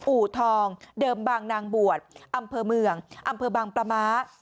อู่ทองเดิมบางนางบวชอำเภอเมืองอำเภอบางปลาม้า